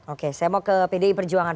oke saya mau ke pdi perjuangan